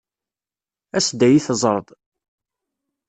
As-d ad iyi-teẓreḍ.